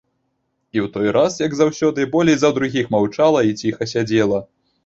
І ў той раз, як заўсёды, болей за другіх маўчала і ціха сядзела.